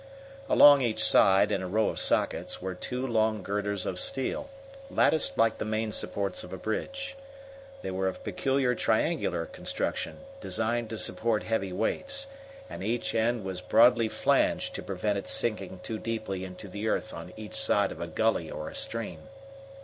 Along each side, in a row of sockets, were two long girders of steel, latticed like the main supports of a bridge. They were of peculiar triangular construction, designed to support heavy weights, and each end was broadly flanged to prevent its sinking too deeply into the earth on either side of a gully or a stream.